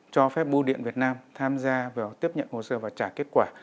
cho phép bưu điện việt nam tham gia vào tiếp nhận hồ sơ và trả kết quả